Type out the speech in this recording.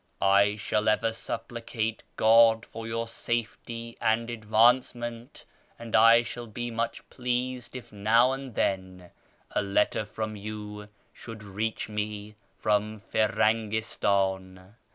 I shall ever supplicate God for your safety and advancement, and I shall be much pleased if now and then a letter from you should reach me from Firangistan.